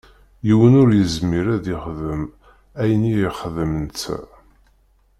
Yiwen ur izmir ad yexdem ayen i yexdem netta.